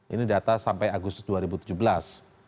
ini data sampai agustus dua ribu tujuh belas